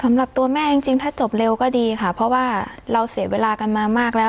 สำหรับตัวแม่จริงถ้าจบเร็วก็ดีค่ะเพราะว่าเราเสียเวลากันมามากแล้ว